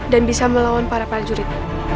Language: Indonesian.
dan bisa melawan para pak julid